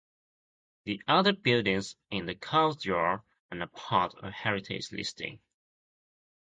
The other buildings in the courtyard are not part of the heritage listing.